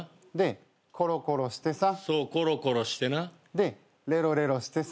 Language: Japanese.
でレロレロしてさ。